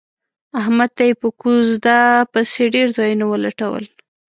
احمد ته یې په کوزده پسې ډېر ځایونه ولټول.